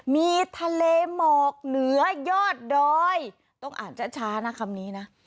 มีทะเลหมอกเหนือยอดดอยต้องอ่านช้านะคำนี้นะ